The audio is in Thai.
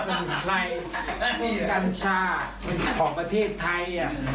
กัญชาของประเทศไทย